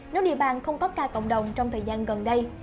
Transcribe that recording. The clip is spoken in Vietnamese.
nếu địa bàn không có ca cộng đồng trong thời gian gần đây